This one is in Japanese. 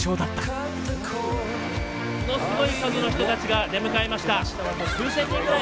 ものすごい数の人たちが出迎えました。